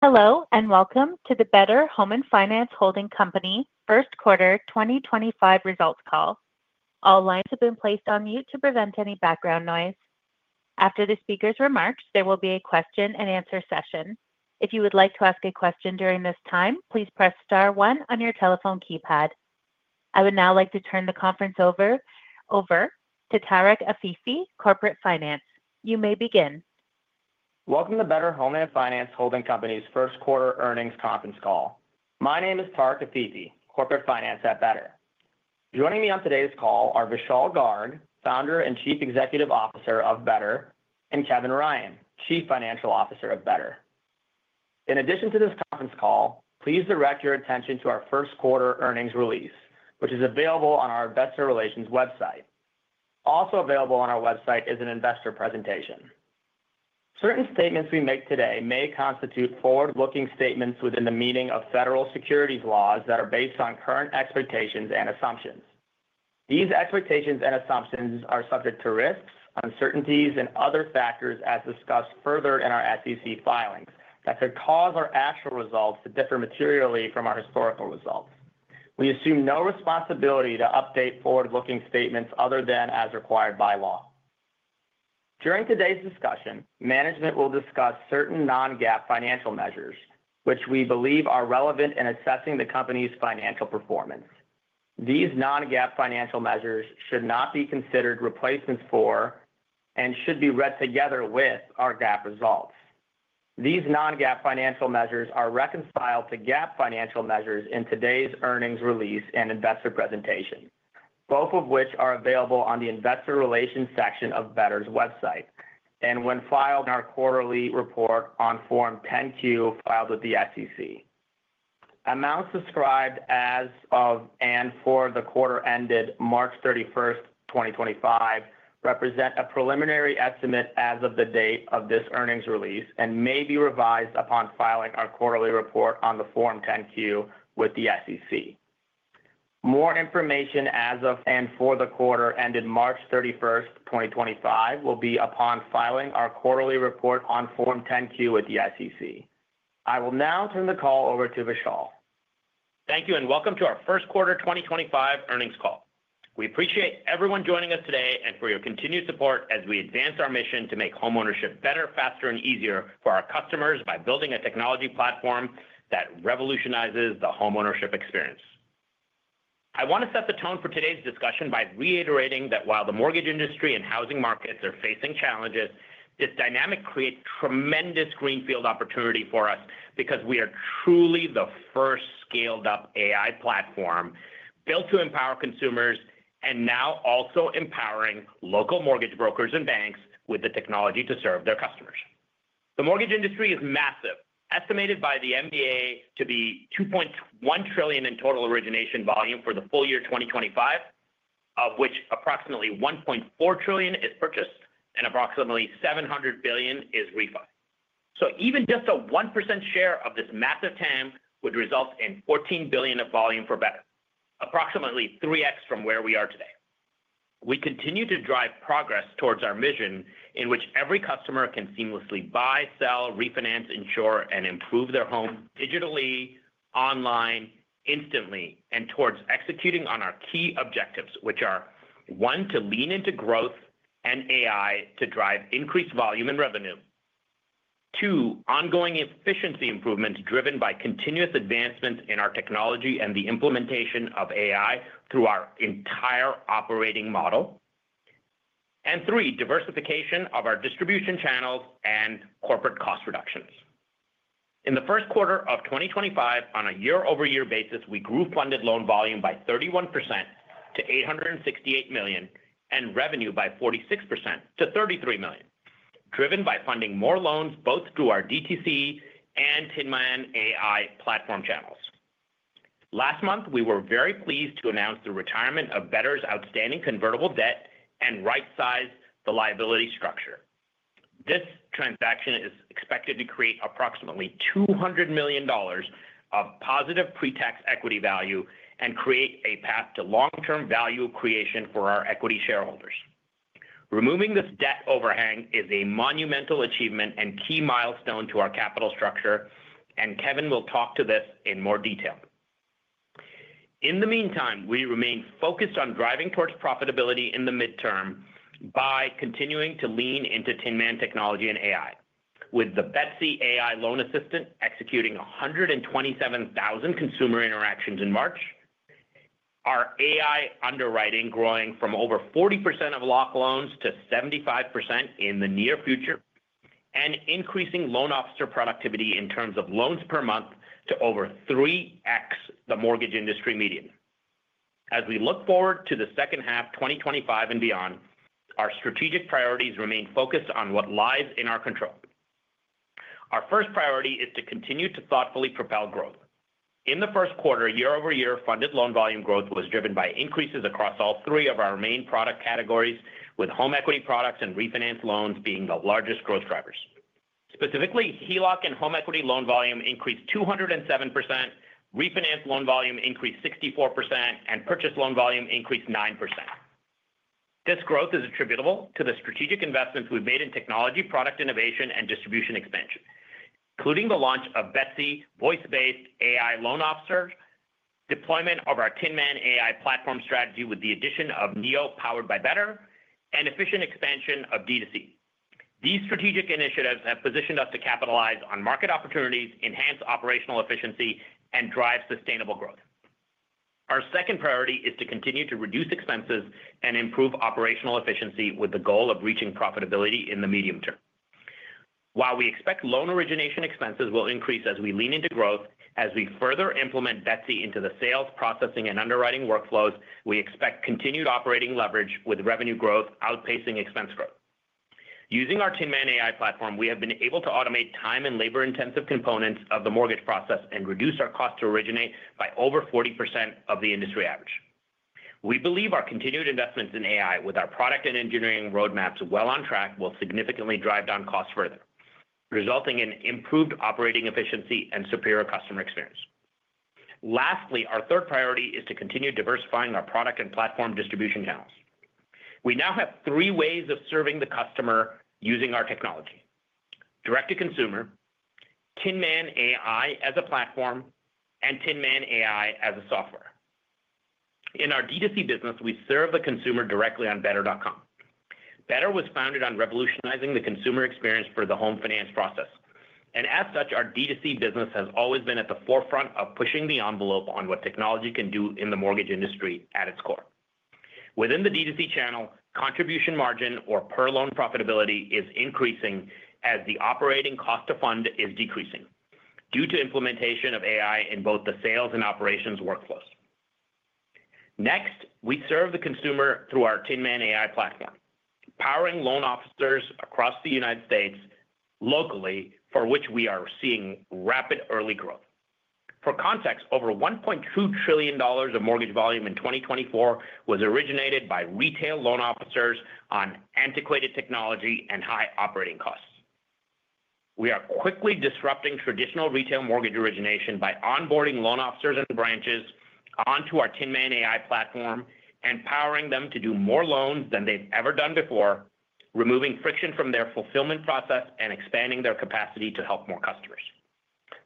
Hello, and welcome to the Better Home & Finance Holding Company first quarter 2025 results call. All lines have been placed on mute to prevent any background noise. After the speaker's remarks, there will be a question-and-answer session. If you would like to ask a question during this time, please press star one on your telephone keypad. I would now like to turn the conference over to Tarek Afifi, Corporate Finance. You may begin. Welcome to Better Home & Finance Holding Company's first quarter earnings conference call. My name is Tarek Afifi, Corporate Finance at Better. Joining me on today's call are Vishal Garg, Founder and Chief Executive Officer of Better, and Kevin Ryan, Chief Financial Officer of Better. In addition to this conference call, please direct your attention to our first quarter earnings release, which is available on our investor relations website. Also available on our website is an investor presentation. Certain statements we make today may constitute forward-looking statements within the meaning of federal securities laws that are based on current expectations and assumptions. These expectations and assumptions are subject to risks, uncertainties, and other factors, as discussed further in our SEC filings, that could cause our actual results to differ materially from our historical results. We assume no responsibility to update forward-looking statements other than as required by law. During today's discussion, management will discuss certain non-GAAP financial measures, which we believe are relevant in assessing the company's financial performance. These non-GAAP financial measures should not be considered replacements for and should be read together with our GAAP results. These non-GAAP financial measures are reconciled to GAAP financial measures in today's earnings release and investor presentation, both of which are available on the investor relations section of Better's website and when filed in our quarterly report on Form 10-Q filed with the SEC. Amounts described as of and for the quarter ended March 31, 2025, represent a preliminary estimate as of the date of this earnings release and may be revised upon filing our quarterly report on the Form 10-Q with the SEC. More information as of and for the quarter ended March 31, 2025, will be upon filing our quarterly report on Form 10-Q with the SEC. I will now turn the call over to Vishal. Thank you, and welcome to our first quarter 2025 earnings call. We appreciate everyone joining us today and for your continued support as we advance our mission to make homeownership better, faster, and easier for our customers by building a technology platform that revolutionizes the homeownership experience. I want to set the tone for today's discussion by reiterating that while the mortgage industry and housing markets are facing challenges, this dynamic creates tremendous greenfield opportunity for us because we are truly the first scaled-up AI platform built to empower consumers and now also empowering local mortgage brokers and banks with the technology to serve their customers. The mortgage industry is massive, estimated by the MBA to be $2.1 trillion in total origination volume for the full year 2025, of which approximately $1.4 trillion is purchase and approximately $700 billion is refinance. Even just a 1% share of this massive TAM would result in $14 billion of volume for Better, approximately 3x from where we are today. We continue to drive progress towards our mission in which every customer can seamlessly buy, sell, refinance, insure, and improve their home digitally, online, instantly, and towards executing on our key objectives, which are: one, to lean into growth and AI to drive increased volume and revenue; two, ongoing efficiency improvements driven by continuous advancements in our technology and the implementation of AI through our entire operating model; and three, diversification of our distribution channels and corporate cost reductions. In the first quarter of 2025, on a year-over-year basis, we grew funded loan volume by 31% to $868 million and revenue by 46% to $33 million, driven by funding more loans both through our DTC and Tin Man AI platform channels. Last month, we were very pleased to announce the retirement of Better's outstanding convertible debt and right-size the liability structure. This transaction is expected to create approximately $200 million of positive pre-tax equity value and create a path to long-term value creation for our equity shareholders. Removing this debt overhang is a monumental achievement and key milestone to our capital structure, and Kevin will talk to this in more detail. In the meantime, we remain focused on driving towards profitability in the midterm by continuing to lean into Tin Man technology and AI, with the Betsey AI loan assistant executing 127,000 consumer interactions in March, our AI underwriting growing from over 40% of locked loans to 75% in the near future, and increasing loan officer productivity in terms of loans per month to over 3x the mortgage industry median. As we look forward to the second half, 2025, and beyond, our strategic priorities remain focused on what lies in our control. Our first priority is to continue to thoughtfully propel growth. In the first quarter, year-over-year, funded loan volume growth was driven by increases across all three of our main product categories, with home equity products and refinance loans being the largest growth drivers. Specifically, HELOC and home equity loan volume increased 207%, refinance loan volume increased 64%, and purchase loan volume increased 9%. This growth is attributable to the strategic investments we've made in technology, product innovation, and distribution expansion, including the launch of Betsey voice-based AI loan officers, deployment of our Tin Man AI platform strategy with the addition of Neo powered by Better, and efficient expansion of DTC. These strategic initiatives have positioned us to capitalize on market opportunities, enhance operational efficiency, and drive sustainable growth. Our second priority is to continue to reduce expenses and improve operational efficiency with the goal of reaching profitability in the medium term. While we expect loan origination expenses will increase as we lean into growth, as we further implement Betsey into the sales, processing, and underwriting workflows, we expect continued operating leverage with revenue growth outpacing expense growth. Using our Tin Man AI platform, we have been able to automate time and labor-intensive components of the mortgage process and reduce our cost to originate by over 40% of the industry average. We believe our continued investments in AI, with our product and engineering roadmaps well on track, will significantly drive down costs further, resulting in improved operating efficiency and superior customer experience. Lastly, our third priority is to continue diversifying our product and platform distribution channels. We now have three ways of serving the customer using our technology: direct-to-consumer, Tin Man AI as a platform, and Tin Man AI as a software. In our DTC business, we serve the consumer directly on better.com. Better was founded on revolutionizing the consumer experience for the home finance process, and as such, our DTC business has always been at the forefront of pushing the envelope on what technology can do in the mortgage industry at its core. Within the DTC channel, contribution margin, or per loan profitability, is increasing as the operating cost to fund is decreasing due to implementation of AI in both the sales and operations workflows. Next, we serve the consumer through our Tin Man AI platform, powering loan officers across the United States locally, for which we are seeing rapid early growth. For context, over $1.2 trillion of mortgage volume in 2024 was originated by retail loan officers on antiquated technology and high operating costs. We are quickly disrupting traditional retail mortgage origination by onboarding loan officers and branches onto our Tin Man AI platform and powering them to do more loans than they've ever done before, removing friction from their fulfillment process and expanding their capacity to help more customers.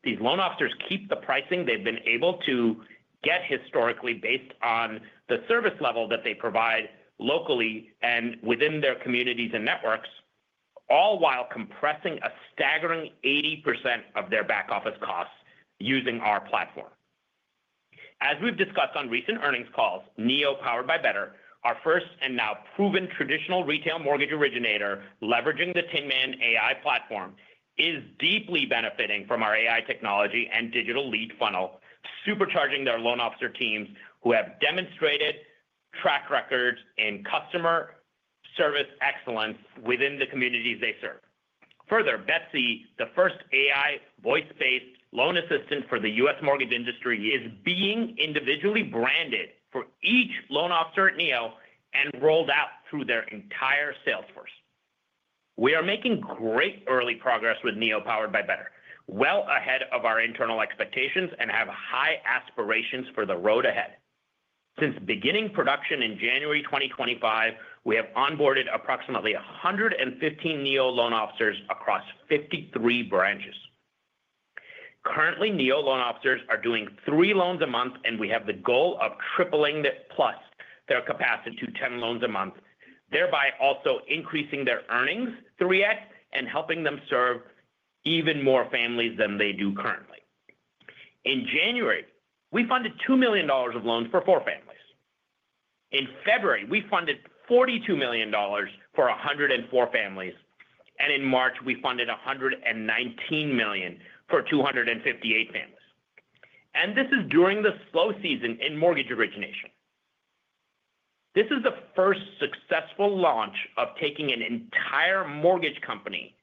These loan officers keep the pricing they've been able to get historically based on the service level that they provide locally and within their communities and networks, all while compressing a staggering 80% of their back office costs using our platform. As we've discussed on recent earnings calls, Neo powered by Better, our first and now proven traditional retail mortgage originator leveraging the Tin Man AI platform, is deeply benefiting from our AI technology and digital lead funnel, supercharging their loan officer teams who have demonstrated track records in customer service excellence within the communities they serve. Further, Betsey, the first AI voice-based loan assistant for the U.S. mortgage industry, is being individually branded for each loan officer at Neo and rolled out through their entire salesforce. We are making great early progress with Neo powered by Better, well ahead of our internal expectations, and have high aspirations for the road ahead. Since beginning production in January 2025, we have onboarded approximately 115 Neo loan officers across 53 branches. Currently, Neo loan officers are doing three loans a month, and we have the goal of tripling plus their capacity to 10 loans a month, thereby also increasing their earnings through it and helping them serve even more families than they do currently. In January, we funded $2 million of loans for four families. In February, we funded $42 million for 104 families, and in March, we funded $119 million for 258 families. This is during the slow season in mortgage origination. This is the first successful launch of taking an entire mortgage company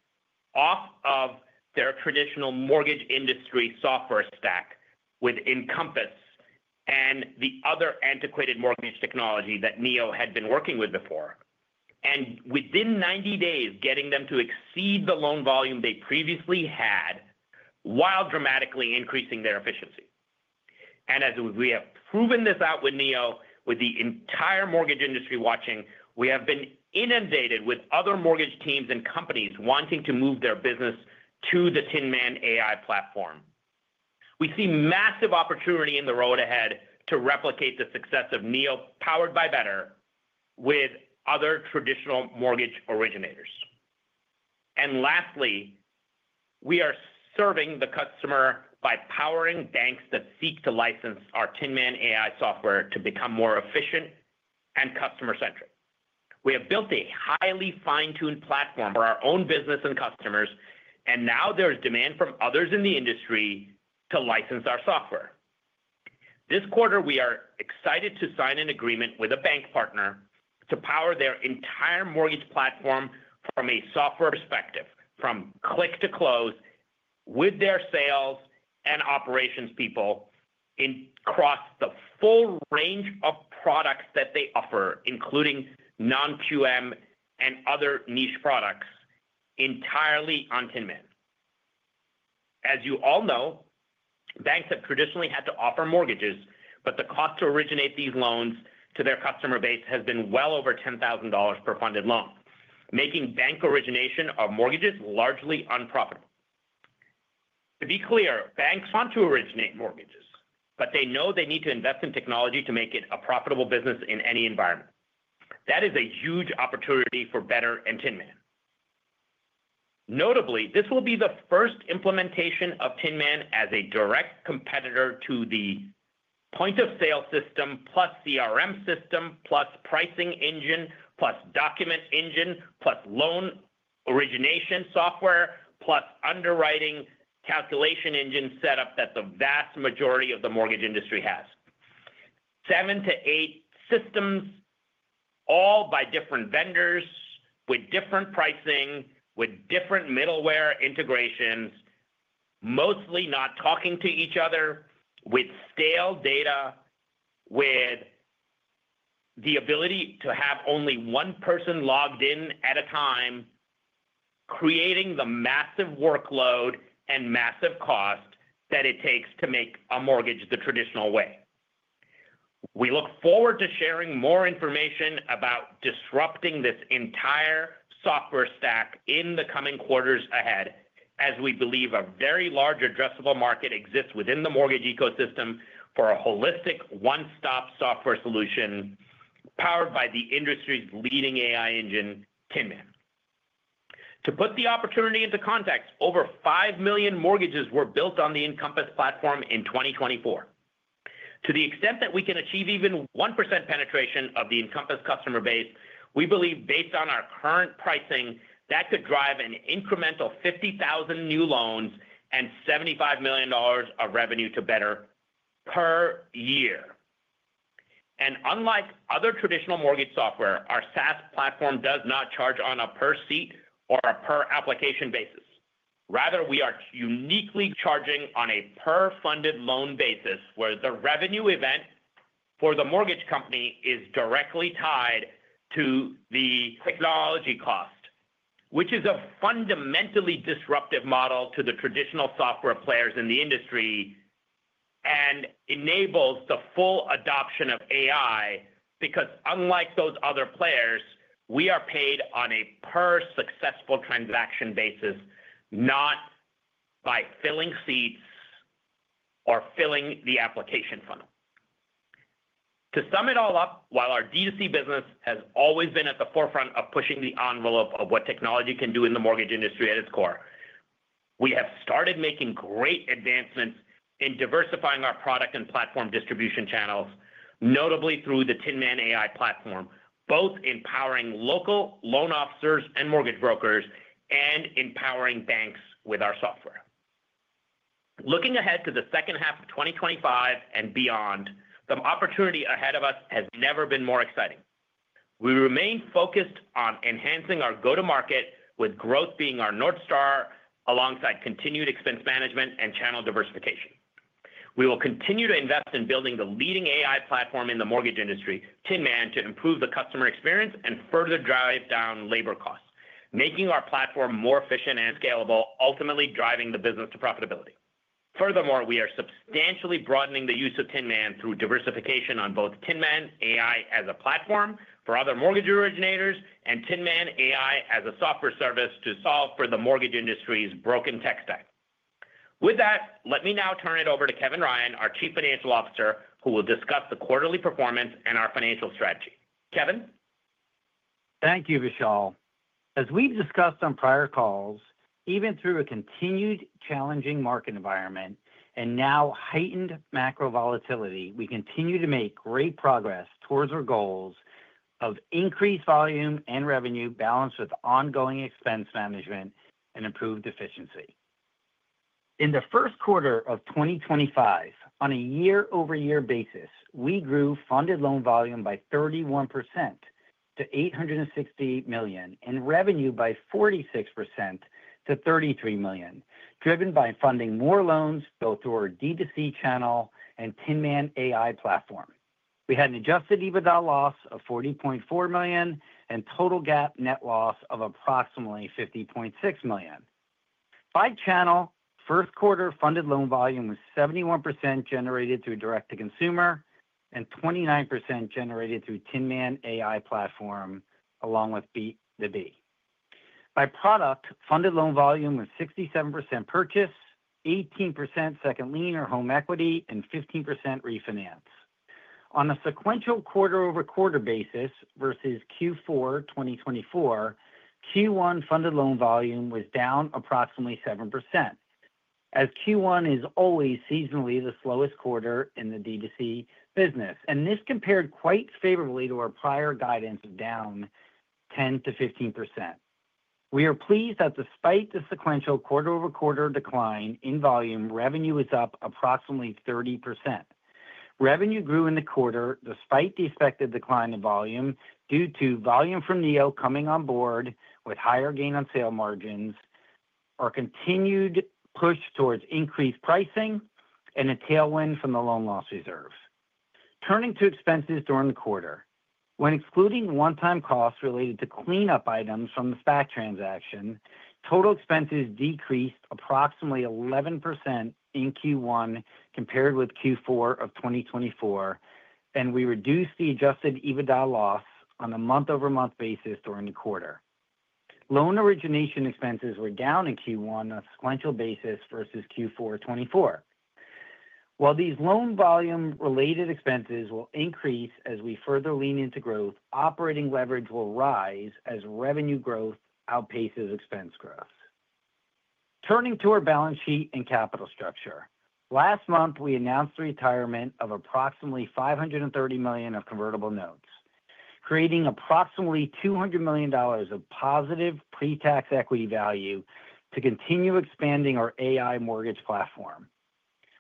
off of their traditional mortgage industry software stack with Encompass and the other antiquated mortgage technology that Neo had been working with before, and within 90 days, getting them to exceed the loan volume they previously had while dramatically increasing their efficiency. As we have proven this out with Neo, with the entire mortgage industry watching, we have been inundated with other mortgage teams and companies wanting to move their business to the Tin Man AI platform. We see massive opportunity in the road ahead to replicate the success of Neo powered by Better with other traditional mortgage originators. Lastly, we are serving the customer by powering banks that seek to license our Tin Man AI software to become more efficient and customer-centric. We have built a highly fine-tuned platform for our own business and customers, and now there is demand from others in the industry to license our software. This quarter, we are excited to sign an agreement with a bank partner to power their entire mortgage platform from a software perspective, from click to close, with their sales and operations people across the full range of products that they offer, including non-QM and other niche products, entirely on Tin Man. As you all know, banks have traditionally had to offer mortgages, but the cost to originate these loans to their customer base has been well over $10,000 per funded loan, making bank origination of mortgages largely unprofitable. To be clear, banks want to originate mortgages, but they know they need to invest in technology to make it a profitable business in any environment. That is a huge opportunity for Better and Tin Man. Notably, this will be the first implementation of Tin Man as a direct competitor to the point-of-sale system plus CRM system plus pricing engine plus document engine plus loan origination software plus underwriting calculation engine setup that the vast majority of the mortgage industry has: seven to eight systems, all by different vendors with different pricing, with different middleware integrations, mostly not talking to each other, with stale data, with the ability to have only one person logged in at a time, creating the massive workload and massive cost that it takes to make a mortgage the traditional way. We look forward to sharing more information about disrupting this entire software stack in the coming quarters ahead, as we believe a very large addressable market exists within the mortgage ecosystem for a holistic one-stop software solution powered by the industry's leading AI engine, Tin Man. To put the opportunity into context, over 5 million mortgages were built on the Encompass platform in 2024. To the extent that we can achieve even 1% penetration of the Encompass customer base, we believe based on our current pricing, that could drive an incremental 50,000 new loans and $75 million of revenue to Better per year. Unlike other traditional mortgage software, our SaaS platform does not charge on a per seat or a per application basis. Rather, we are uniquely charging on a per funded loan basis, where the revenue event for the mortgage company is directly tied to the technology cost, which is a fundamentally disruptive model to the traditional software players in the industry and enables the full adoption of AI because, unlike those other players, we are paid on a per successful transaction basis, not by filling seats or filling the application funnel. To sum it all up, while our DTC business has always been at the forefront of pushing the envelope of what technology can do in the mortgage industry at its core, we have started making great advancements in diversifying our product and platform distribution channels, notably through the Tin Man AI platform, both empowering local loan officers and mortgage brokers and empowering banks with our software. Looking ahead to the second half of 2025 and beyond, the opportunity ahead of us has never been more exciting. We remain focused on enhancing our go-to-market, with growth being our North Star, alongside continued expense management and channel diversification. We will continue to invest in building the leading AI platform in the mortgage industry, Tin Man, to improve the customer experience and further drive down labor costs, making our platform more efficient and scalable, ultimately driving the business to profitability. Furthermore, we are substantially broadening the use of Tin Man through diversification on both Tin Man AI as a platform for other mortgage originators and Tin Man AI as a software service to solve for the mortgage industry's broken tech stack. With that, let me now turn it over to Kevin Ryan, our Chief Financial Officer, who will discuss the quarterly performance and our financial strategy. Kevin. Thank you, Vishal. As we've discussed on prior calls, even through a continued challenging market environment and now heightened macro volatility, we continue to make great progress towards our goals of increased volume and revenue balanced with ongoing expense management and improved efficiency. In the first quarter of 2025, on a year-over-year basis, we grew funded loan volume by 31% to $868 million and revenue by 46% to $33 million, driven by funding more loans both through our DTC channel and Tin Man AI platform. We had an adjusted EBITDA loss of $40.4 million and total GAAP net loss of approximately $50.6 million. By channel, first quarter funded loan volume was 71% generated through direct-to-consumer and 29% generated through Tin Man AI platform, along with B2B. By product, funded loan volume was 67% purchase, 18% second lien or home equity, and 15% refinance. On a sequential quarter-over-quarter basis versus Q4 2024, Q1 funded loan volume was down approximately 7%, as Q1 is always seasonally the slowest quarter in the DTC business, and this compared quite favorably to our prior guidance of down 10%-15%. We are pleased that despite the sequential quarter-over-quarter decline in volume, revenue is up approximately 30%. Revenue grew in the quarter despite the expected decline in volume due to volume from Neo coming on board with higher gain on sale margins, our continued push towards increased pricing, and a tailwind from the loan loss reserves. Turning to expenses during the quarter, when excluding one-time costs related to cleanup items from the SPAC transaction, total expenses decreased approximately 11% in Q1 compared with Q4 of 2024, and we reduced the adjusted EBITDA loss on a month-over-month basis during the quarter. Loan origination expenses were down in Q1 on a sequential basis versus Q4 2024. While these loan volume-related expenses will increase as we further lean into growth, operating leverage will rise as revenue growth outpaces expense growth. Turning to our balance sheet and capital structure, last month we announced the retirement of approximately $530 million of convertible notes, creating approximately $200 million of positive pre-tax equity value to continue expanding our AI mortgage platform.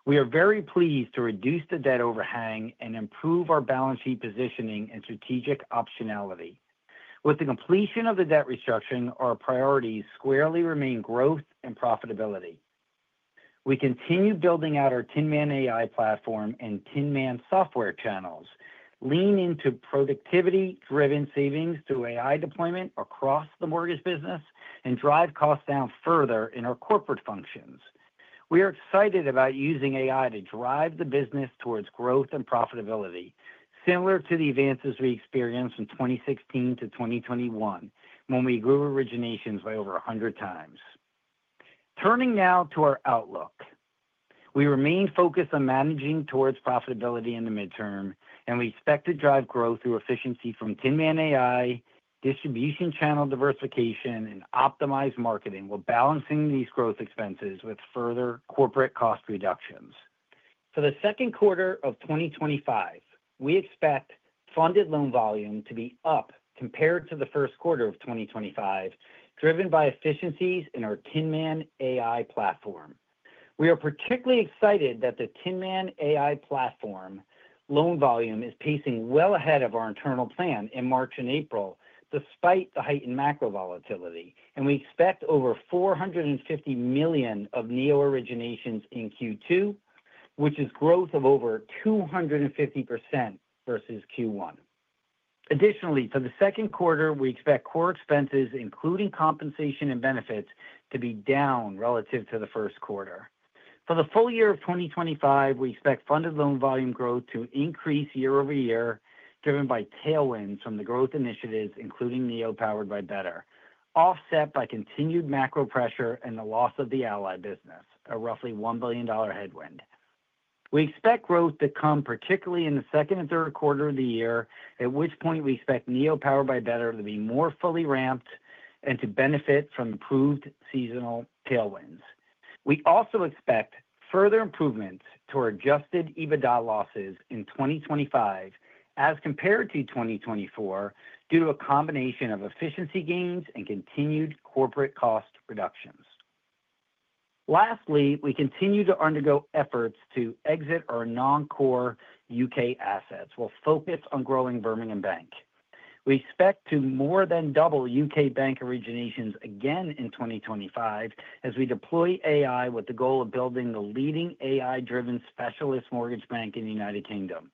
We are very pleased to reduce the debt overhang and improve our balance sheet positioning and strategic optionality. With the completion of the debt restructuring, our priorities squarely remain growth and profitability. We continue building out our Tin Man AI platform and Tin Man software channels, lean into productivity-driven savings through AI deployment across the mortgage business, and drive costs down further in our corporate functions. We are excited about using AI to drive the business towards growth and profitability, similar to the advances we experienced from 2016 to 2021 when we grew originations by over 100 times. Turning now to our outlook, we remain focused on managing towards profitability in the midterm, and we expect to drive growth through efficiency from Tin Man AI, distribution channel diversification, and optimized marketing while balancing these growth expenses with further corporate cost reductions. For the second quarter of 2025, we expect funded loan volume to be up compared to the first quarter of 2025, driven by efficiencies in our Tin Man AI platform. We are particularly excited that the Tin Man AI platform loan volume is pacing well ahead of our internal plan in March and April, despite the heightened macro volatility, and we expect over $450 million of Neo originations in Q2, which is growth of over 250% versus Q1. Additionally, for the second quarter, we expect core expenses, including compensation and benefits, to be down relative to the first quarter. For the full year of 2025, we expect funded loan volume growth to increase year over year, driven by tailwinds from the growth initiatives, including Neo powered by Better, offset by continued macro pressure and the loss of the Ally business, a roughly $1 billion headwind. We expect growth to come particularly in the second and third quarter of the year, at which point we expect Neo powered by Better to be more fully ramped and to benefit from improved seasonal tailwinds. We also expect further improvements to our adjusted EBITDA losses in 2025 as compared to 2024 due to a combination of efficiency gains and continued corporate cost reductions. Lastly, we continue to undergo efforts to exit our non-core U.K. assets while focused on growing Birmingham Bank. We expect to more than double U.K. bank originations again in 2025 as we deploy AI with the goal of building the leading AI-driven specialist mortgage bank in the United Kingdom.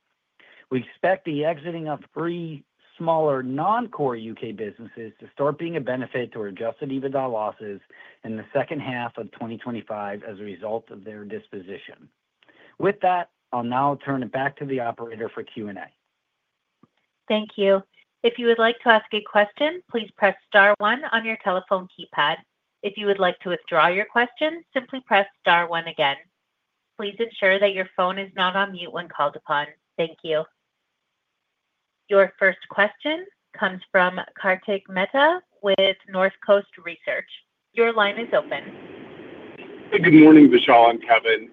We expect the exiting of three smaller non-core U.K. businesses to start being a benefit to our adjusted EBITDA losses in the second half of 2025 as a result of their disposition. With that, I'll now turn it back to the operator for Q&A. Thank you. If you would like to ask a question, please press Star 1 on your telephone keypad. If you would like to withdraw your question, simply press Star 1 again. Please ensure that your phone is not on mute when called upon. Thank you. Your first question comes from Kartik Mehta with Northcoast Research. Your line is open. Good morning, Vishal. I'm Kevin.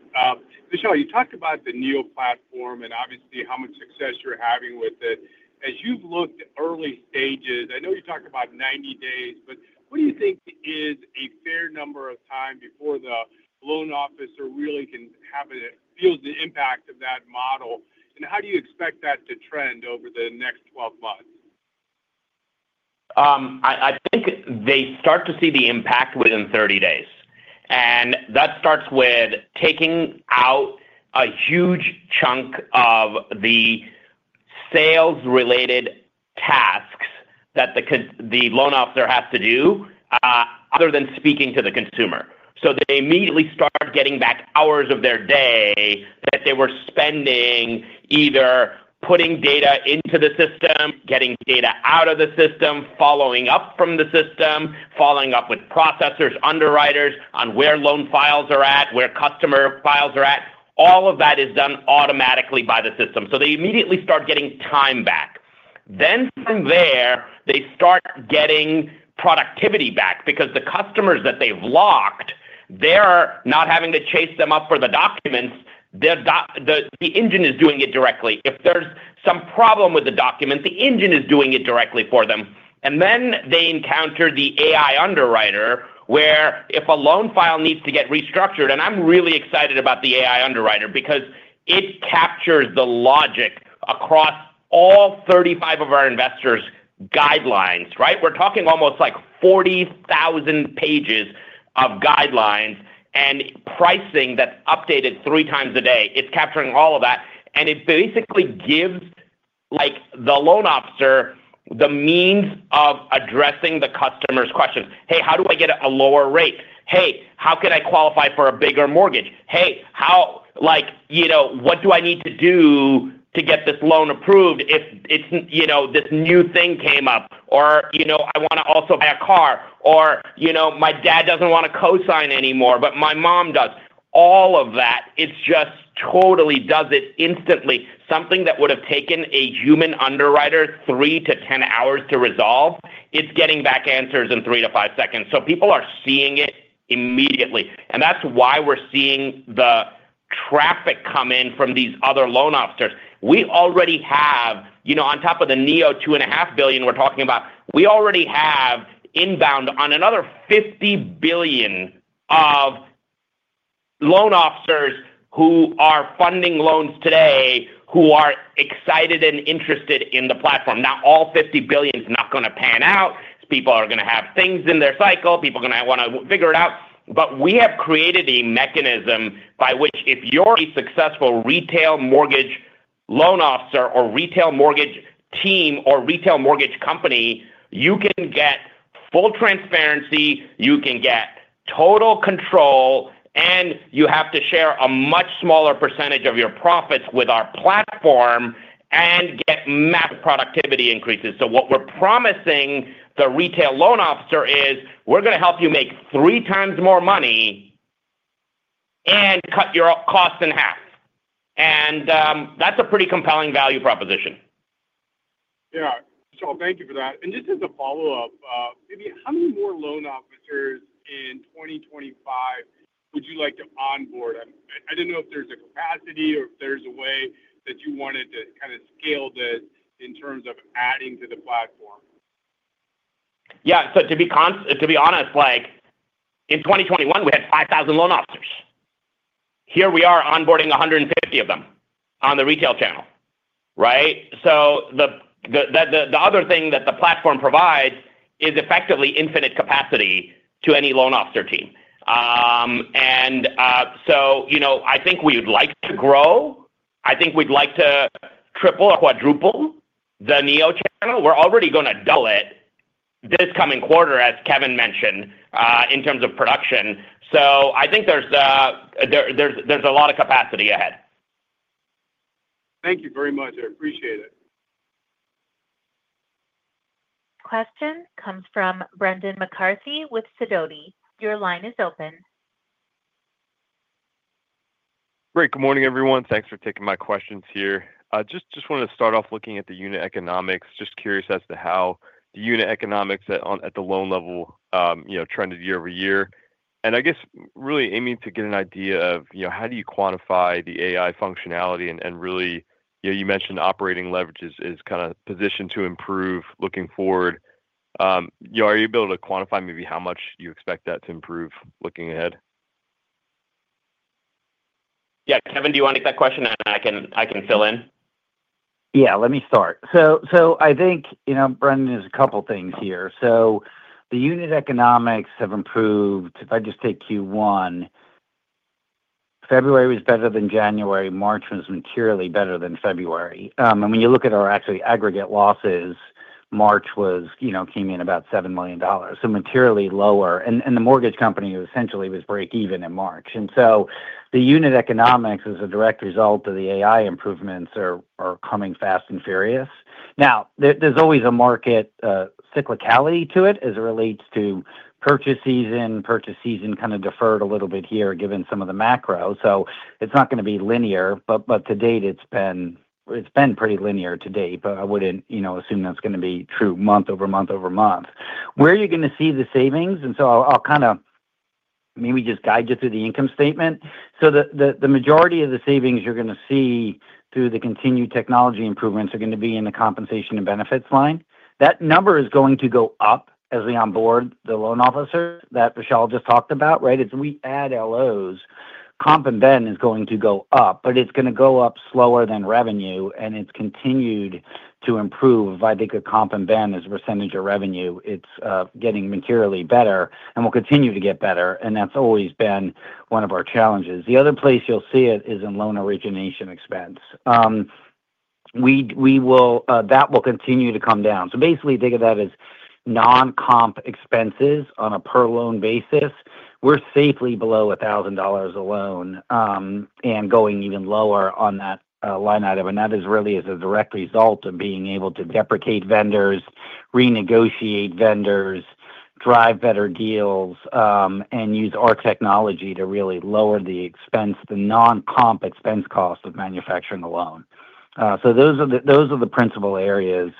Vishal, you talked about the Neo platform and obviously how much success you're having with it. As you've looked at early stages, I know you talked about 90 days, but what do you think is a fair number of time before the loan officer really can have a feel the impact of that model? How do you expect that to trend over the next 12 months? I think they start to see the impact within 30 days. That starts with taking out a huge chunk of the sales-related tasks that the loan officer has to do other than speaking to the consumer. They immediately start getting back hours of their day that they were spending either putting data into the system, getting data out of the system, following up from the system, following up with processors, underwriters on where loan files are at, where customer files are at. All of that is done automatically by the system. They immediately start getting time back. From there, they start getting productivity back because the customers that they've locked, they're not having to chase them up for the documents. The engine is doing it directly. If there's some problem with the document, the engine is doing it directly for them. They encounter the AI underwriter where if a loan file needs to get restructured, and I'm really excited about the AI underwriter because it captures the logic across all 35 of our investors' guidelines, right? We're talking almost like 40,000 pages of guidelines and pricing that's updated three times a day. It's capturing all of that, and it basically gives the loan officer the means of addressing the customer's questions. Hey, how do I get a lower rate? Hey, how can I qualify for a bigger mortgage? Hey, what do I need to do to get this loan approved if this new thing came up? Or I want to also buy a car, or my dad doesn't want to co-sign anymore, but my mom does. All of that, it just totally does it instantly. Something that would have taken a human underwriter 3 to 10 hours to resolve, it's getting back answers in 3 to 5 seconds. People are seeing it immediately. That's why we're seeing the traffic come in from these other loan officers. We already have, on top of the Neo $2.5 billion we're talking about, we already have inbound on another $50 billion of loan officers who are funding loans today who are excited and interested in the platform. Now, all $50 billion is not going to pan out. People are going to have things in their cycle. People are going to want to figure it out. We have created a mechanism by which if you're a successful retail mortgage loan officer or retail mortgage team or retail mortgage company, you can get full transparency, you can get total control, and you have to share a much smaller percentage of your profits with our platform and get massive productivity increases. What we're promising the retail loan officer is we're going to help you make three times more money and cut your cost in half. That's a pretty compelling value proposition. Yeah. Vishal, thank you for that. Just as a follow-up, maybe how many more loan officers in 2025 would you like to onboard? I didn't know if there's a capacity or if there's a way that you wanted to kind of scale this in terms of adding to the platform. Yeah. To be honest, in 2021, we had 5,000 loan officers. Here we are onboarding 150 of them on the retail channel, right? The other thing that the platform provides is effectively infinite capacity to any loan officer team. I think we would like to grow. I think we'd like to triple or quadruple the Neo channel. We're already going to double it this coming quarter, as Kevin mentioned, in terms of production. I think there's a lot of capacity ahead. Thank you very much. I appreciate it. Question comes from Brendan McCarthy with Sidoti. Your line is open. Great. Good morning, everyone. Thanks for taking my questions here. Just wanted to start off looking at the unit economics. Just curious as to how the unit economics at the loan level trended year over year. And I guess really aiming to get an idea of how do you quantify the AI functionality? And really you mentioned operating leverage is kind of positioned to improve looking forward. Are you able to quantify maybe how much you expect that to improve looking ahead? Yeah. Kevin, do you want to take that question? And I can fill in. Yeah. Let me start. So I think, Brendan, there's a couple of things here. So the unit economics have improved. If I just take Q1, February was better than January. March was materially better than February. When you look at our actually aggregate losses, March came in about $7 million. Materially lower. The mortgage company essentially was break even in March. The unit economics, as a direct result of the AI improvements, are coming fast and furious. There is always a market cyclicality to it as it relates to purchase season. Purchase season kind of deferred a little bit here given some of the macro. It is not going to be linear. To date, it has been pretty linear to date. I would not assume that is going to be true month over month over month. Where are you going to see the savings? I will kind of maybe just guide you through the income statement. The majority of the savings you are going to see through the continued technology improvements are going to be in the compensation and benefits line. That number is going to go up as we onboard the loan officer that Vishal just talked about, right? As we add LOs, comp and bend is going to go up, but it's going to go up slower than revenue. It's continued to improve. I think the comp and bend is a percentage of revenue. It's getting materially better and will continue to get better. That's always been one of our challenges. The other place you'll see it is in loan origination expense. That will continue to come down. Basically, think of that as non-comp expenses on a per loan basis. We're safely below $1,000 a loan and going even lower on that line item. That is really as a direct result of being able to deprecate vendors, renegotiate vendors, drive better deals, and use our technology to really lower the expense, the non-comp expense cost of manufacturing a loan. Those are the principal areas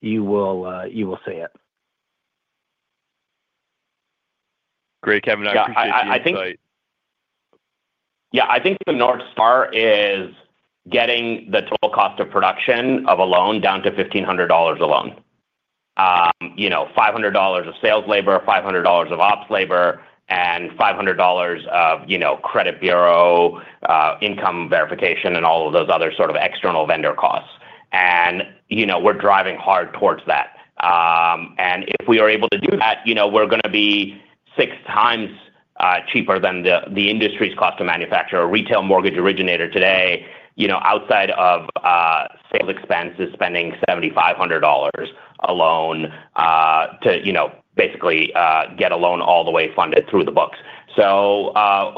you will see it. Great, Kevin. I appreciate your insight. I think the North Star is getting the total cost of production of a loan down to $1,500 a loan. $500 of sales labor, $500 of ops labor, and $500 of credit bureau income verification and all of those other sort of external vendor costs. We are driving hard towards that. If we are able to do that, we are going to be six times cheaper than the industry's cost to manufacture. A retail mortgage originator today, outside of sales expense, is spending $7,500 a loan to basically get a loan all the way funded through the books.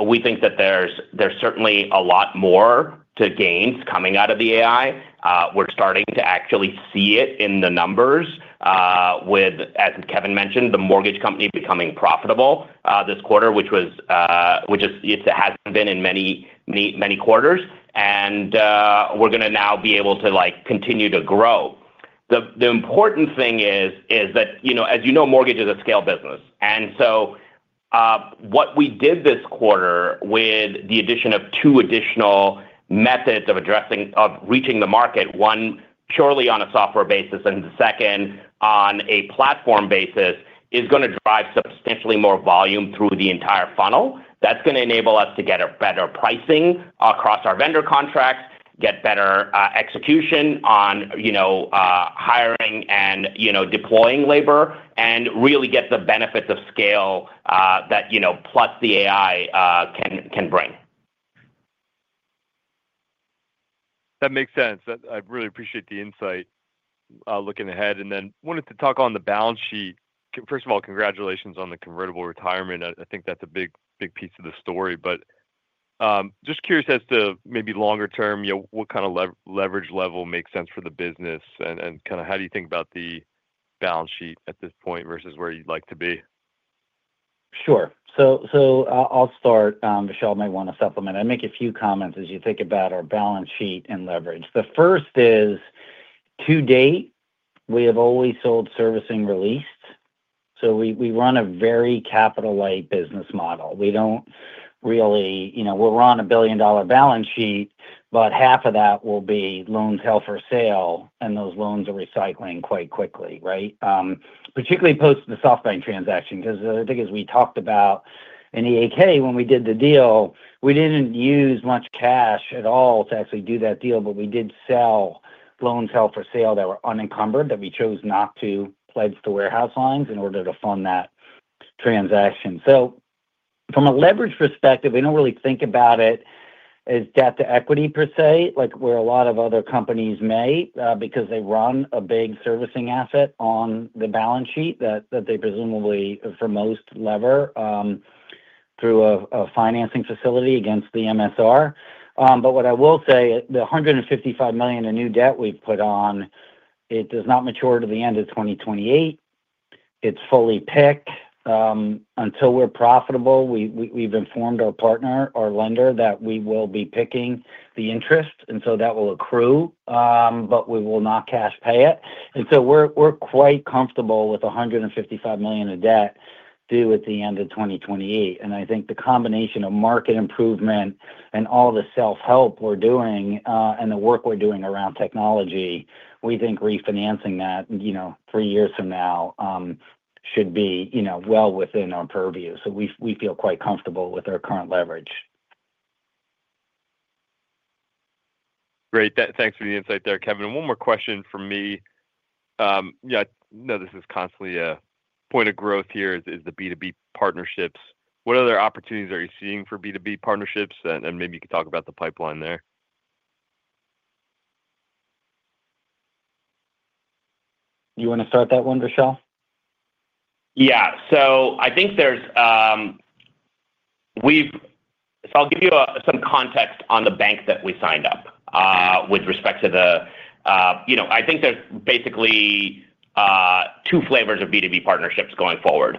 We think that there is certainly a lot more to gains coming out of the AI. We are starting to actually see it in the numbers with, as Kevin mentioned, the mortgage company becoming profitable this quarter, which has not been in many quarters. We are going to now be able to continue to grow. The important thing is that, as you know, mortgage is a scale business. What we did this quarter with the addition of two additional methods of reaching the market, one purely on a software basis and the second on a platform basis, is going to drive substantially more volume through the entire funnel. That's going to enable us to get better pricing across our vendor contracts, get better execution on hiring and deploying labor, and really get the benefits of scale that plus the AI can bring. That makes sense. I really appreciate the insight looking ahead. I wanted to talk on the balance sheet. First of all, congratulations on the convertible retirement. I think that's a big piece of the story. Just curious as to maybe longer term, what kind of leverage level makes sense for the business? Kind of how do you think about the balance sheet at this point versus where you'd like to be? Sure. I'll start. Vishal might want to supplement. I make a few comments as you think about our balance sheet and leverage. The first is, to date, we have always sold servicing released. We run a very capital-light business model. do not really—we will run a billion-dollar balance sheet, but half of that will be loans held for sale, and those loans are recycling quite quickly, right? Particularly post the SoftBank transaction. Because the thing is, we talked about in EAK when we did the deal, we did not use much cash at all to actually do that deal, but we did sell loans held for sale that were unencumbered that we chose not to pledge to warehouse lines in order to fund that transaction. From a leverage perspective, we do not really think about it as debt to equity per se, like where a lot of other companies may, because they run a big servicing asset on the balance sheet that they presumably, for most, lever through a financing facility against the MSR. What I will say, the $155 million in new debt we've put on, it does not mature to the end of 2028. It's fully PIK. Until we're profitable, we've informed our partner, our lender, that we will be PIKing the interest. That will accrue, but we will not cash pay it. We are quite comfortable with $155 million of debt due at the end of 2028. I think the combination of market improvement and all the self-help we're doing and the work we're doing around technology, we think refinancing that three years from now should be well within our purview. We feel quite comfortable with our current leverage. Great. Thanks for the insight there, Kevin. One more question for me. I know this is constantly a point of growth here is the B2B partnerships. What other opportunities are you seeing for B2B partnerships? Maybe you could talk about the pipeline there. You want to start that one, Vishal? Yeah. I think there's—so I'll give you some context on the bank that we signed up with respect to the—I think there's basically two flavors of B2B partnerships going forward.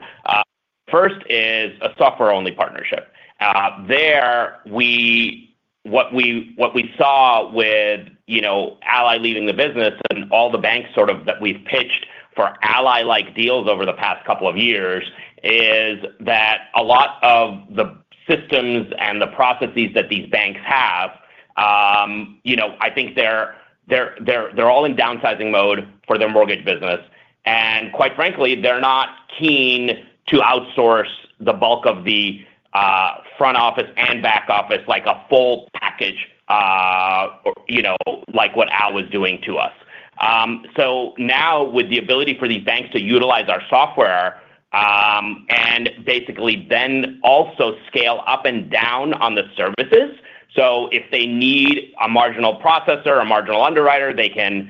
First is a software-only partnership. There, what we saw with Ally leaving the business and all the banks sort of that we've pitched for Ally-like deals over the past couple of years is that a lot of the systems and the processes that these banks have, I think they're all in downsizing mode for their mortgage business. Quite frankly, they're not keen to outsource the bulk of the front office and back office like a full package like what Ally was doing to us. Now, with the ability for these banks to utilize our software and basically then also scale up and down on the services, if they need a marginal processor, a marginal underwriter, they can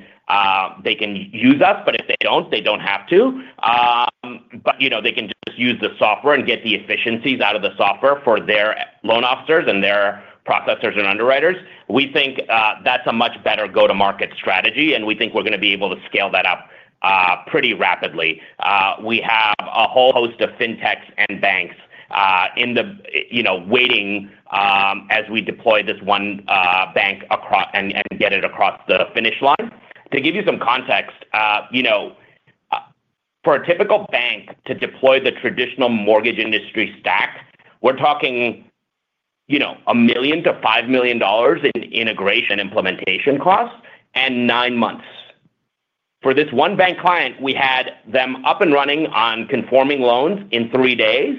use us. If they do not, they do not have to. They can just use the software and get the efficiencies out of the software for their loan officers and their processors and underwriters. We think that is a much better go-to-market strategy. We think we are going to be able to scale that up pretty rapidly. We have a whole host of fintechs and banks in the waiting as we deploy this one bank and get it across the finish line. To give you some context, for a typical bank to deploy the traditional mortgage industry stack, we are talking $1 million-$5 million in integration implementation costs and nine months. For this one bank client, we had them up and running on conforming loans in three days.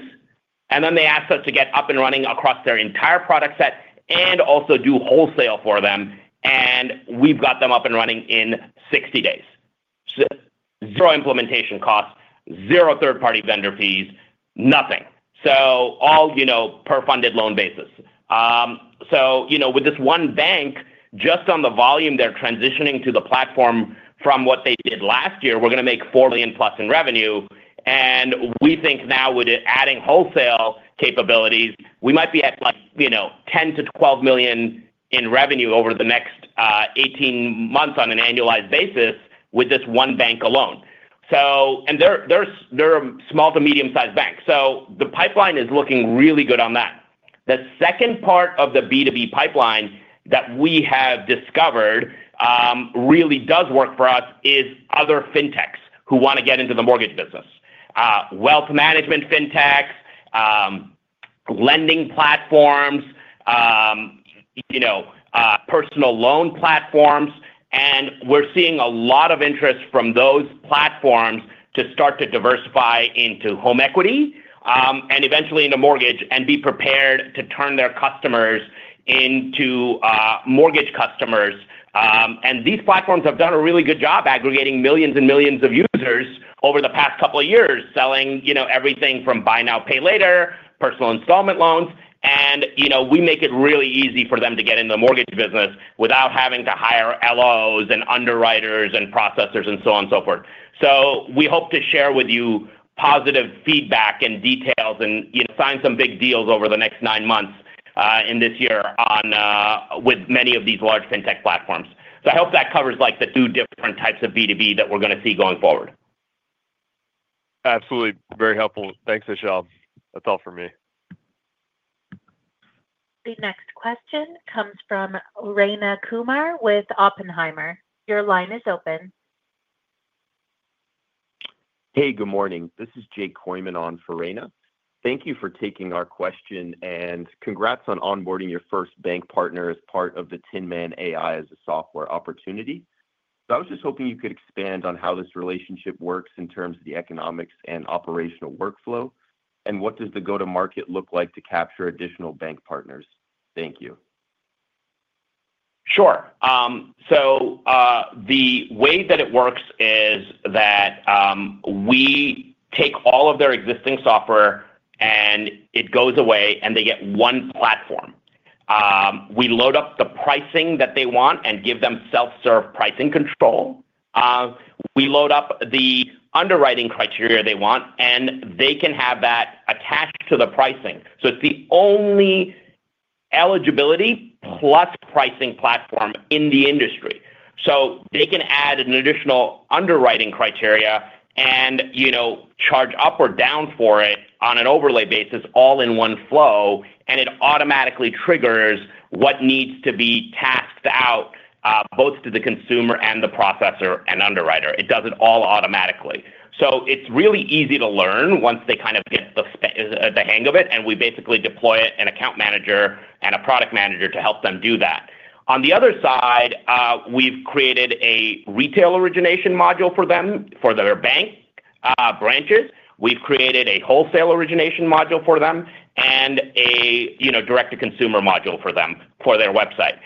Then they asked us to get up and running across their entire product set and also do wholesale for them. We got them up and running in 60 days. Zero implementation costs, zero third-party vendor fees, nothing. All per-funded loan basis. With this one bank, just on the volume they are transitioning to the platform from what they did last year, we are going to make $4 million plus in revenue. We think now, with adding wholesale capabilities, we might be at $10 million-$12 million in revenue over the next 18 months on an annualized basis with this one bank alone. They are a small to medium-sized bank. The pipeline is looking really good on that. The second part of the B2B pipeline that we have discovered really does work for us is other fintechs who want to get into the mortgage business: wealth management fintechs, lending platforms, personal loan platforms. We are seeing a lot of interest from those platforms to start to diversify into home equity and eventually into mortgage and be prepared to turn their customers into mortgage customers. These platforms have done a really good job aggregating millions and millions of users over the past couple of years, selling everything from buy now, pay later, personal installment loans. We make it really easy for them to get into the mortgage business without having to hire LOs and underwriters and processors and so on and so forth. We hope to share with you positive feedback and details and sign some big deals over the next nine months in this year with many of these large fintech platforms. I hope that covers the two different types of B2B that we're going to see going forward. Absolutely. Very helpful. Thanks, Vishal. That's all for me. The next question comes from Raina Kumar with Oppenheimer. Your line is open. Hey, good morning. This is Jay Kooiman on for Raina. Thank you for taking our question and congrats on onboarding your first bank partner as part of the Tin Man AI as a software opportunity. I was just hoping you could expand on how this relationship works in terms of the economics and operational workflow. What does the go-to-market look like to capture additional bank partners? Thank you. Sure. The way that it works is that we take all of their existing software and it goes away and they get one platform. We load up the pricing that they want and give them self-serve pricing control. We load up the underwriting criteria they want and they can have that attached to the pricing. It's the only eligibility plus pricing platform in the industry. They can add an additional underwriting criteria and charge up or down for it on an overlay basis all in one flow. It automatically triggers what needs to be tasked out both to the consumer and the processor and underwriter. It does it all automatically. It's really easy to learn once they kind of get the hang of it. We basically deploy an account manager and a product manager to help them do that. On the other side, we've created a retail origination module for them for their bank branches. We've created a wholesale origination module for them and a direct-to-consumer module for them for their website.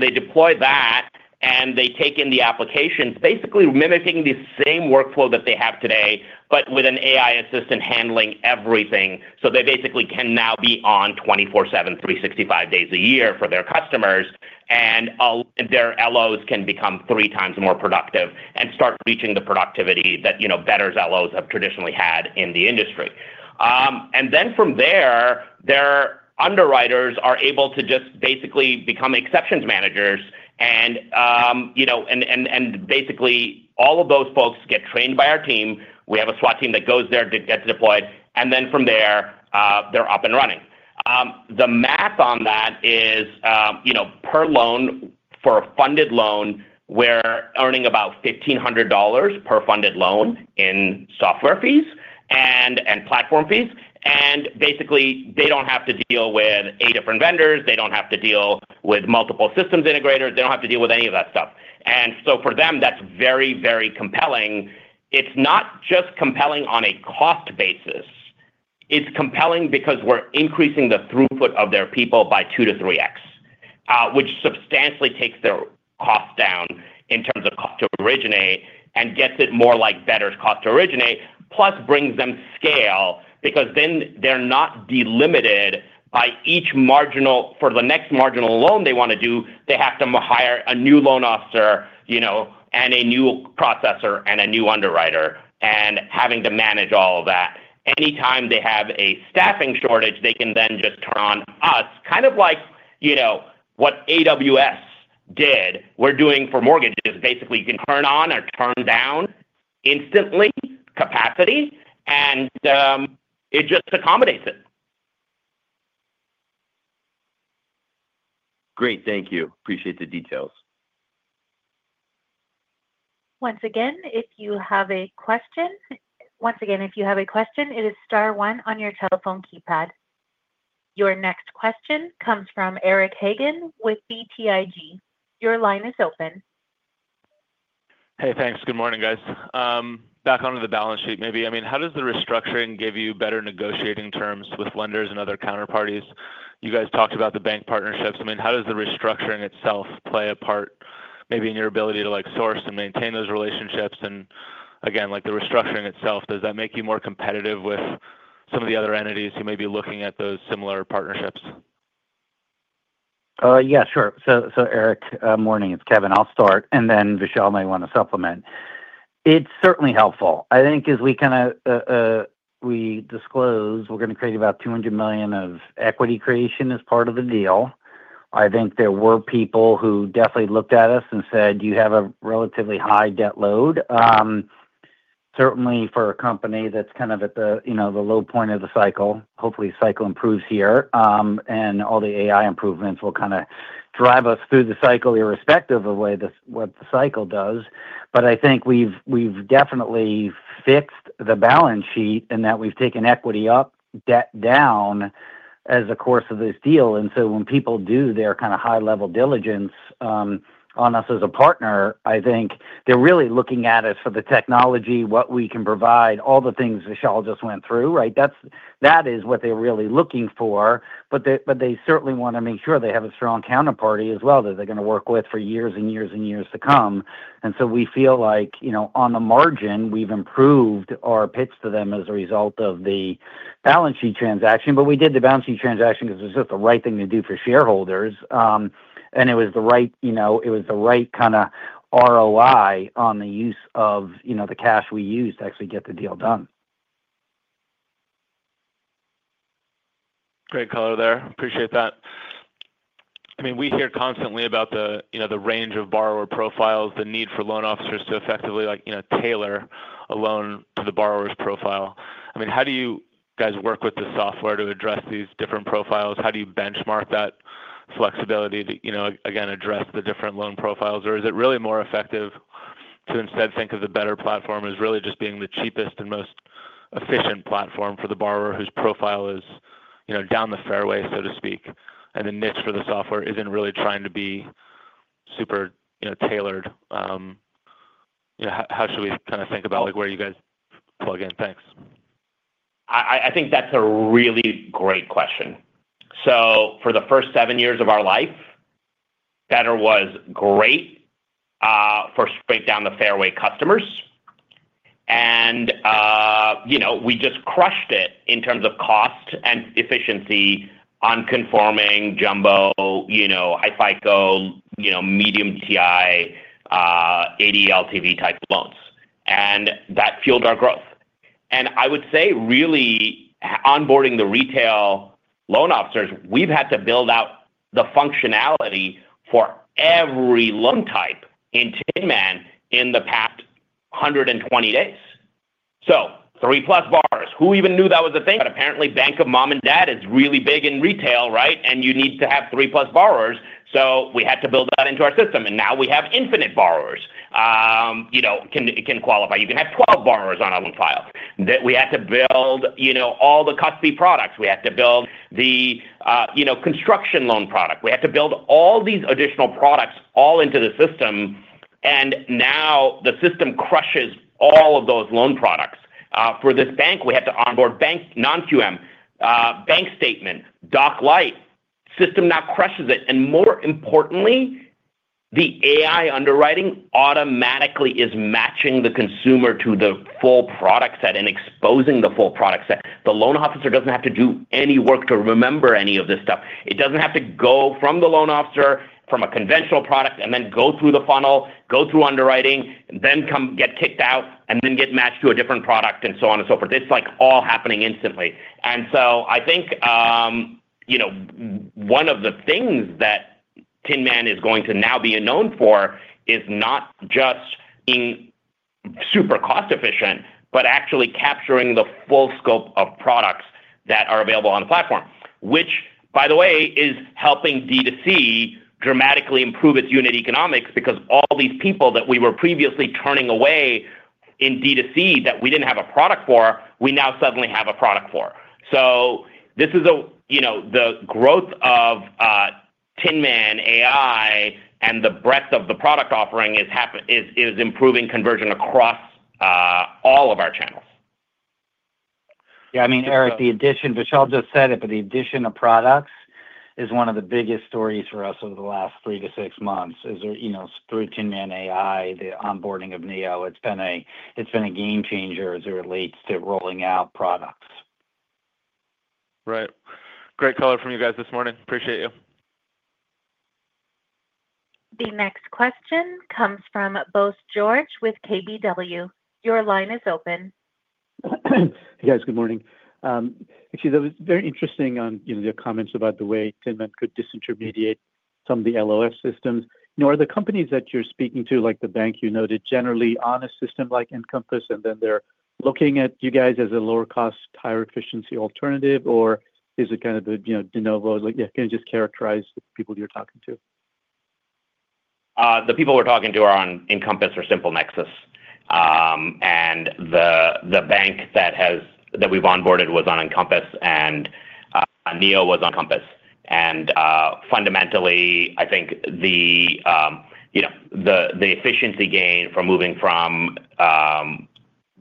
They deploy that and they take in the applications, basically mimicking the same workflow that they have today, but with an AI assistant handling everything. They basically can now be on 24/7, 365 days a year for their customers. Their LOs can become three times more productive and start reaching the productivity that Better LOs have traditionally had in the industry. From there, their underwriters are able to just basically become exceptions managers. Basically, all of those folks get trained by our team. We have a SWAT team that goes there to get deployed. From there, they're up and running. The math on that is per loan for a funded loan, we're earning about $1,500 per funded loan in software fees and platform fees. Basically, they do not have to deal with eight different vendors. They do not have to deal with multiple systems integrators. They do not have to deal with any of that stuff. For them, that is very, very compelling. It is not just compelling on a cost basis. It is compelling because we are increasing the throughput of their people by 2-3x, which substantially takes their cost down in terms of cost to originate and gets it more like Better cost to originate, plus brings them scale because then they are not delimited by each marginal for the next marginal loan they want to do. They have to hire a new loan officer and a new processor and a new underwriter and having to manage all of that. Anytime they have a staffing shortage, they can then just turn on us, kind of like what AWS did. What we're doing for mortgages is basically you can turn on or turn down instantly capacity, and it just accommodates it. Great. Thank you. Appreciate the details. Once again, if you have a question, it is star one on your telephone keypad. Your next question comes from Eric Hagen with BTIG. Your line is open. Hey, thanks. Good morning, guys. Back onto the balance sheet maybe. I mean, how does the restructuring give you better negotiating terms with lenders and other counterparties? You guys talked about the bank partnerships. I mean, how does the restructuring itself play a part maybe in your ability to source and maintain those relationships? Again, the restructuring itself, does that make you more competitive with some of the other entities who may be looking at those similar partnerships? Yeah, sure. Eric, morning. It's Kevin. I'll start. Vishal may want to supplement. It's certainly helpful. I think as we kind of disclose, we're going to create about $200 million of equity creation as part of the deal. I think there were people who definitely looked at us and said, "You have a relatively high debt load." Certainly for a company that's kind of at the low point of the cycle, hopefully the cycle improves here. All the AI improvements will kind of drive us through the cycle irrespective of what the cycle does. I think we've definitely fixed the balance sheet in that we've taken equity up, debt down as a course of this deal. When people do their kind of high-level diligence on us as a partner, I think they're really looking at us for the technology, what we can provide, all the things Vishal just went through, right? That is what they're really looking for. They certainly want to make sure they have a strong counterparty as well that they're going to work with for years and years and years to come. We feel like on the margin, we've improved our pitch to them as a result of the balance sheet transaction. We did the balance sheet transaction because it was just the right thing to do for shareholders. It was the right kind of ROI on the use of the cash we used to actually get the deal done. Great color there. Appreciate that. I mean, we hear constantly about the range of borrower profiles, the need for loan officers to effectively tailor a loan to the borrower's profile. I mean, how do you guys work with the software to address these different profiles? How do you benchmark that flexibility to, again, address the different loan profiles? Is it really more effective to instead think of the Better platform as really just being the cheapest and most efficient platform for the borrower whose profile is down the fairway, so to speak, and the niche for the software isn't really trying to be super tailored? How should we kind of think about where you guys plug in? Thanks. I think that's a really great question. For the first seven years of our life, Better was great for straight down the fairway customers. We just crushed it in terms of cost and efficiency on conforming, jumbo, high-FICO, medium TI, ADLTV type loans. That fueled our growth. I would say really onboarding the retail loan officers, we've had to build out the functionality for every loan type in Tin Man in the past 120 days. Three-plus borrowers. Who even knew that was a thing? Apparently, Bank of Mom and Dad is really big in retail, right? You need to have three-plus borrowers. We had to build that into our system. Now we have infinite borrowers. It can qualify. You can have 12 borrowers on a loan file. We had to build all the HELOC products. We had to build the construction loan product. We had to build all these additional products all into the system. Now the system crushes all of those loan products. For this bank, we had to onboard bank Non-QM, bank statement, Doc Light. System now crushes it. More importantly, the AI underwriting automatically is matching the consumer to the full product set and exposing the full product set. The loan officer does not have to do any work to remember any of this stuff. It does not have to go from the loan officer, from a conventional product, and then go through the funnel, go through underwriting, then get kicked out, and then get matched to a different product, and so on and so forth. It is all happening instantly. I think one of the things that Tin Man is going to now be known for is not just being super cost-efficient, but actually capturing the full scope of products that are available on the platform, which, by the way, is helping D2C dramatically improve its unit economics because all these people that we were previously turning away in D2C that we didn't have a product for, we now suddenly have a product for. This is the growth of Tin Man AI and the breadth of the product offering is improving conversion across all of our channels. Yeah. I mean, Eric, the addition Vishal just said it, but the addition of products is one of the biggest stories for us over the last three to six months. Through Tin Man AI, the onboarding of Neo, it's been a game changer as it relates to rolling out products. Right. Great color from you guys this morning. Appreciate you. The next question comes from Bose George with KBW. Your line is open. Hey, guys. Good morning. Actually, that was very interesting on your comments about the way Tin Man could disintermediate some of the LOS systems. Are the companies that you're speaking to, like the bank you noted, generally on a system like Encompass, and then they're looking at you guys as a lower-cost, higher-efficiency alternative, or is it kind of the de novo? Can you just characterize the people you're talking to? The people we're talking to are on Encompass or Simple Nexus. The bank that we've onboarded was on Encompass, and Neo was on Encompass. Fundamentally, I think the efficiency gain from moving from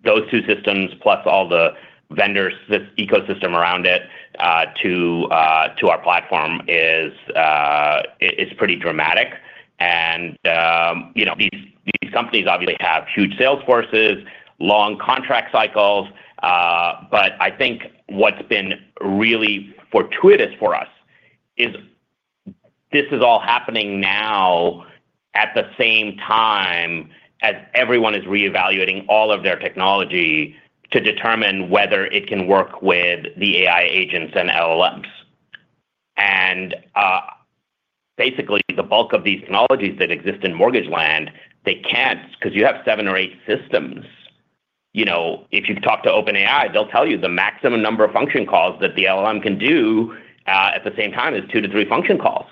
those two systems plus all the vendor ecosystem around it to our platform is pretty dramatic. These companies obviously have huge sales forces, long contract cycles. I think what's been really fortuitous for us is this is all happening now at the same time as everyone is reevaluating all of their technology to determine whether it can work with the AI agents and LLMs. Basically, the bulk of these technologies that exist in mortgage land, they can't because you have seven or eight systems. If you talk to OpenAI, they'll tell you the maximum number of function calls that the LLM can do at the same time is two to three function calls,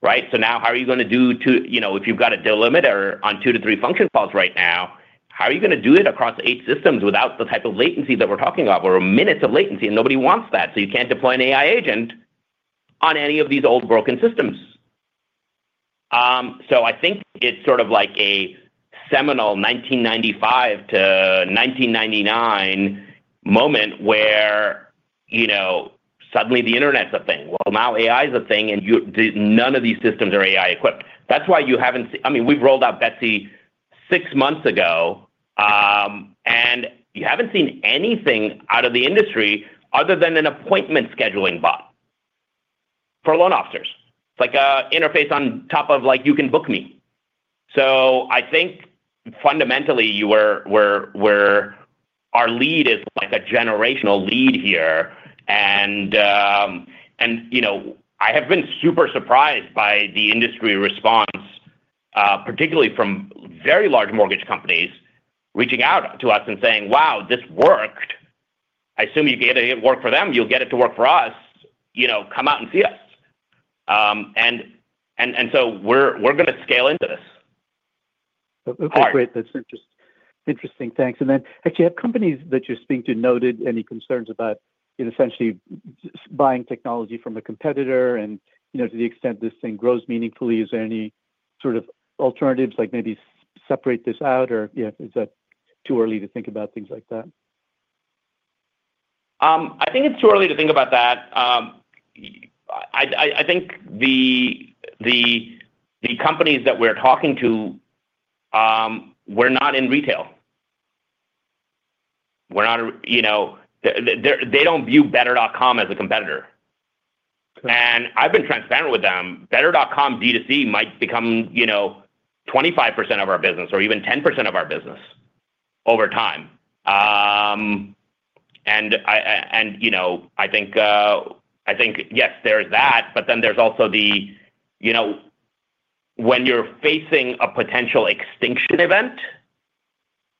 right? Now how are you going to do two if you've got a delimiter on two to three function calls right now, how are you going to do it across eight systems without the type of latency that we're talking about where we're minutes of latency and nobody wants that? You can't deploy an AI agent on any of these old broken systems. I think it's sort of like a seminal 1995 to 1999 moment where suddenly the internet's a thing. Now AI's a thing, and none of these systems are AI-equipped. That's why you haven't seen, I mean, we've rolled out Betsy six months ago, and you haven't seen anything out of the industry other than an appointment scheduling bot for loan officers. It's like an interface on top of like, "You can book me." I think fundamentally, our lead is like a generational lead here. I have been super surprised by the industry response, particularly from very large mortgage companies reaching out to us and saying, "Wow, this worked. I assume you get it to work for them. You'll get it to work for us. Come out and see us." We're going to scale into this. Okay. Great. That's interesting. Thanks. Actually, have companies that you're speaking to noted any concerns about essentially buying technology from a competitor? To the extent this thing grows meaningfully, is there any sort of alternatives like maybe separate this out, or is that too early to think about things like that? I think it's too early to think about that. I think the companies that we're talking to, we're not in retail. We're not in, they don't view better.com as a competitor. And I've been transparent with them. Better.com D2C might become 25% of our business or even 10% of our business over time. I think, yes, there's that. But then there's also the, when you're facing a potential extinction event,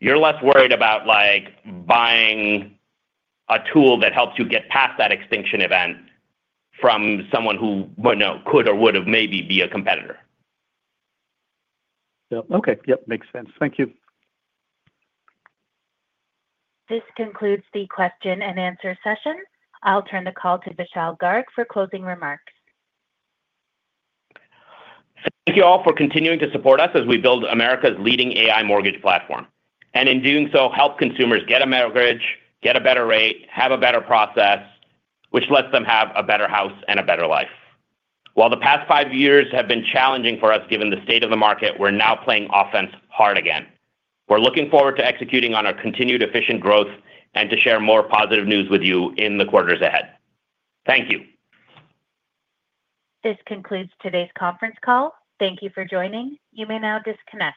you're less worried about buying a tool that helps you get past that extinction event from someone who could or would have maybe been a competitor. Yeah. Okay. Yep. Makes sense. Thank you. This concludes the question and answer session. I'll turn the call to Vishal Garg for closing remarks. Thank you all for continuing to support us as we build America's leading AI mortgage platform. In doing so, help consumers get a mortgage, get a better rate, have a better process, which lets them have a better house and a better life. While the past five years have been challenging for us given the state of the market, we're now playing offense hard again. We're looking forward to executing on our continued efficient growth and to share more positive news with you in the quarters ahead. Thank you. This concludes today's conference call. Thank you for joining. You may now disconnect.